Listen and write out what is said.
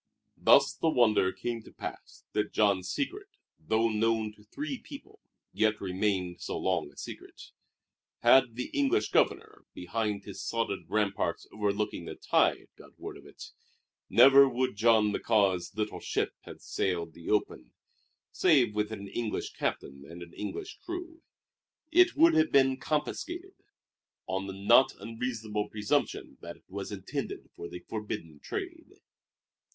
Thus the wonder came to pass that Jean's secret, though known to three people, yet remained so long a secret. Had the English Governor, behind his sodded ramparts overlooking the tide, got wind of it, never would Jean Michaud's little ship have sailed the open, save with an English captain and an English crew. It would have been confiscated, on the not unreasonable presumption that it was intended for the forbidden trade.